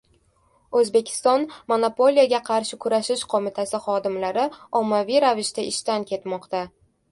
O‘zbekiston Monopoliyaga qarshi kurashish qo‘mitasi xodimlari ommaviy ravishda ishdan ketmoqda